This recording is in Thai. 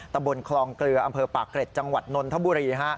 ตำบลคลองเกลืออำเภอปากเกร็ดจังหวัดนนทบุรี